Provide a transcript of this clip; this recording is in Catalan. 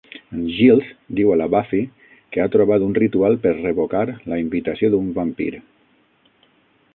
En Giles diu a la Buffy que ha trobat un ritual per revocar la invitació d'un vampir.